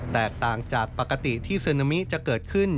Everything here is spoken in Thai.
แตกต่างจากปกติที่ซึนามิจะเกิดขึ้น